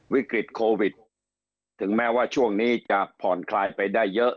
วิกฤตโควิดถึงแม้ว่าช่วงนี้จะผ่อนคลายไปได้เยอะ